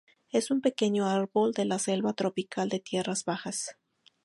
Es un pequeño árbol de la selva tropical de tierras bajas.